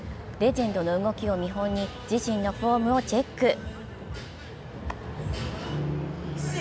レジェンドの動きを見本に自身のフォームをチェック。